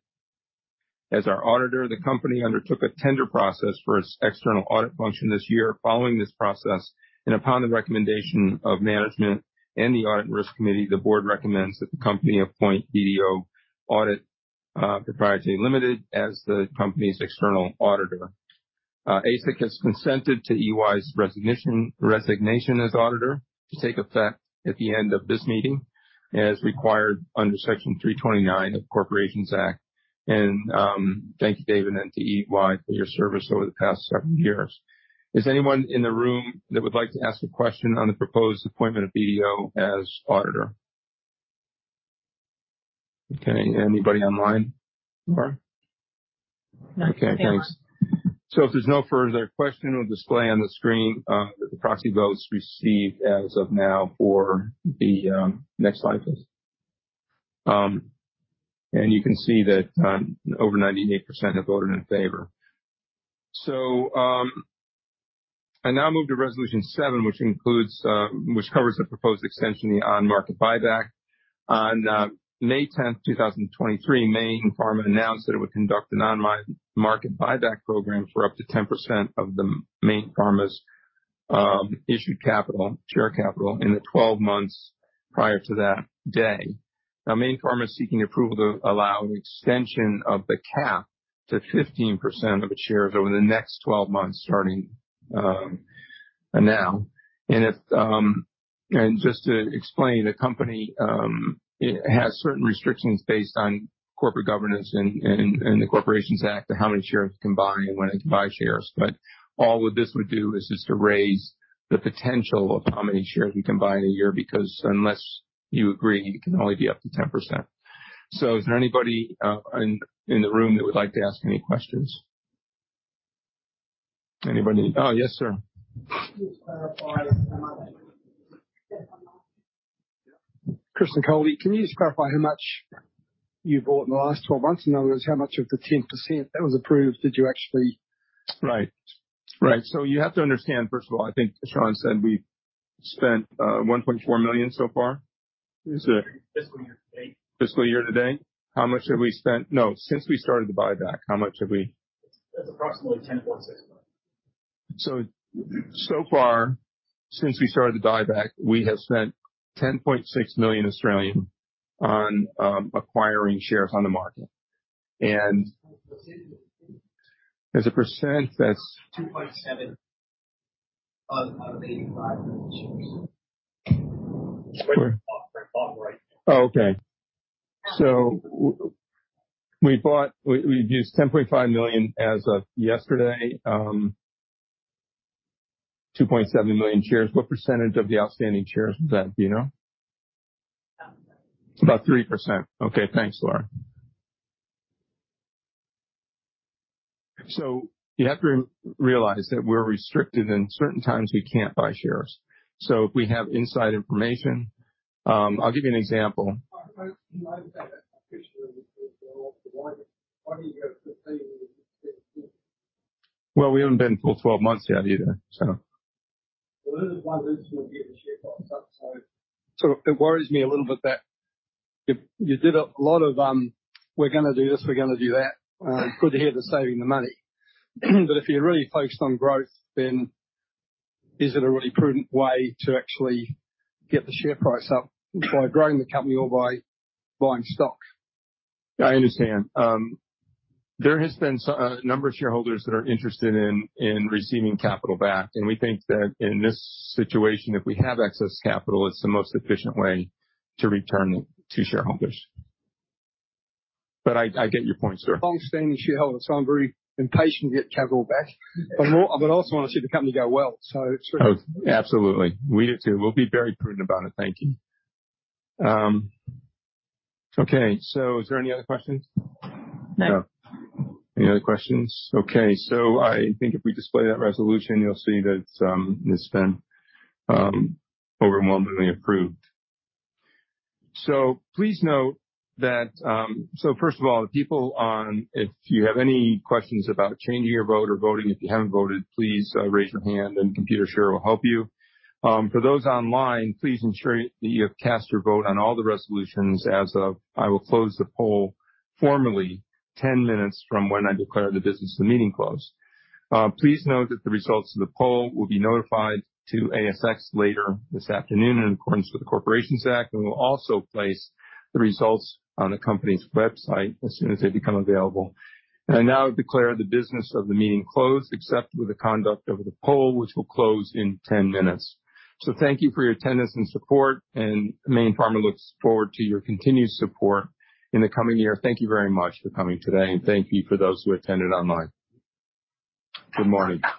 as our auditor, the company undertook a tender process for its external audit function this year. Following this process, and upon the recommendation of management and the Audit and Risk Committee, the board recommends that the company appoint BDO Audit Proprietary Limited as the company's external auditor. ASIC has consented to EY's resignation as auditor to take effect at the end of this meeting, as required under Section 329 of the Corporations Act. Thank you, David, and to EY for your service over the past several years. Is anyone in the room that would like to ask a question on the proposed appointment of BDO as auditor? Okay. Anybody online, Laura? Nothing. Okay, thanks. So if there's no further question, we'll display on the screen the proxy votes received as of now for the... Next slide, please. And you can see that over 98% have voted in favor. So I now move to resolution seven, which includes, which covers the proposed extension, the on-market buyback. On May 10, 2023, Mayne Pharma announced that it would conduct an on-market buyback program for up to 10% of the Mayne Pharma's issued capital, share capital, in the twelve months prior to that day. Now, Mayne Pharma is seeking approval to allow an extension of the cap to 15% of the shares over the next twelve months, starting now. And if, and just to explain, the company, it has certain restrictions based on corporate governance and the Corporations Act, on how many shares it can buy and when it can buy shares. But all what this would do is just to raise the potential of how many shares we can buy in a year, because unless you agree, it can only be up to 10%. So is there anybody in the room that would like to ask any questions? Anybody? Oh, yes, sir. Just to clarify,... Chris Nicoli, can you just clarify how much you bought in the last 12 months? In other words, how much of the 10% that was approved did you actually- Right. Right. So you have to understand, first of all, I think Shawn said we spent 1.4 million so far. Is it? Fiscal year to date. Fiscal year to date, how much have we spent? No, since we started the buyback, how much have we- It's approximately 10.6 million. So, so far, since we started the buyback, we have spent 10.6 million on acquiring shares on the market. And as a percent, that's- 2.7 out of 85 million shares. Oh, okay. So we've used 10.5 million as of yesterday, 2.7 million shares. What percentage of the outstanding shares is that? Do you know? About three. About 3%. Okay. Thanks, Laura. So you have to realize that we're restricted, and certain times we can't buy shares. So if we have inside information, I'll give you an example. Well, we haven't been for 12 months yet either, so. Well, this is one reason we're getting the share price up, so it worries me a little bit that if you did a lot of, we're gonna do this, we're gonna do that. Good to hear they're saving the money. But if you're really focused on growth, then is it a really prudent way to actually get the share price up by growing the company or by buying stocks? I understand. There has been a number of shareholders that are interested in receiving capital back, and we think that in this situation, if we have excess capital, it's the most efficient way to return it to shareholders. But I get your point, sir. Long-standing shareholder, so I'm very impatient to get capital back, but more, I would also want to see the company go well, so. Oh, absolutely. We do too. We'll be very prudent about it. Thank you. Okay, so is there any other questions? No. Any other questions? Okay, so I think if we display that resolution, you'll see that, it's been, overwhelmingly approved. So please note that, so first of all, the people on, if you have any questions about changing your vote or voting, if you haven't voted, please, raise your hand and Computershare will help you. For those online, please ensure that you have cast your vote on all the resolutions as of... I will close the poll formally, 10 minutes from when I declare the business of the meeting closed. Please note that the results of the poll will be notified to ASX later this afternoon, in accordance with the Corporations Act, and we'll also place the results on the company's website as soon as they become available. I now declare the business of the meeting closed, except with the conduct of the poll, which will close in 10 minutes. So thank you for your attendance and support, and Mayne Pharma looks forward to your continued support in the coming year. Thank you very much for coming today, and thank you for those who attended online. Good morning.